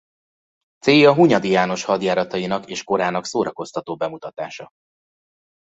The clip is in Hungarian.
Célja Hunyadi János hadjáratainak és korának szórakoztató bemutatása.